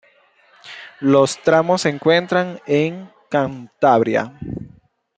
Los tramos se encuentran en Cantabria.